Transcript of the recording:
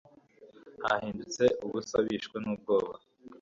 bahindutse ubusa bishwe n'ubwoba